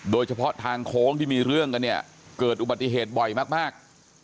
โดยเฉพาะทางโค้งที่มีเรื่องกันเนี่ยเกิดอุบัติเหตุบ่อยมาก